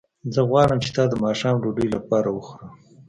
زه غواړم چې تا د ماښام ډوډۍ لپاره وخورم